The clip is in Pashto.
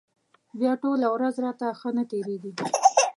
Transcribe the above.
بیا ټوله ورځ راته ښه نه تېرېږي.